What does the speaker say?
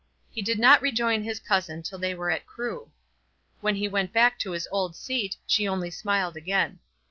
He did not rejoin his cousin till they were at Crewe. When he went back to his old seat, she only smiled again.